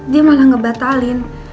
dia malah ngebatalin